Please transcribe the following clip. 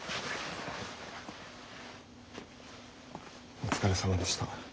お疲れさまでした。